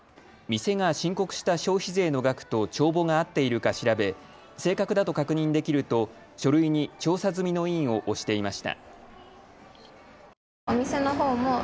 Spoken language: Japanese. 店が申告した消費税の額と帳簿が合っているか調べ正確だと確認できると書類に調査済みの印を押していました。